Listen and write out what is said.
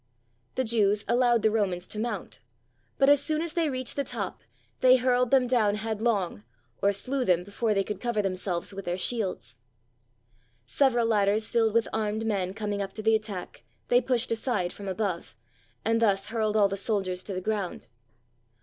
The Jews allowed the Romans to moimt, but as soon as they reached the top, they hurled them down head long, or slew them before they could cover themselves with their shields. Several ladders filled with armed men coming up to the attack they pushed aside from above, and thus hurled all the soldiers to the ground.